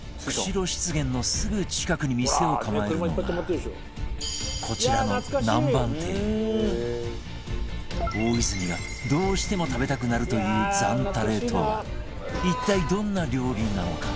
釧路湿原のすぐ近くに店を構えるのがこちらの大泉がどうしても食べたくなるというザンタレとは一体どんな料理なのか？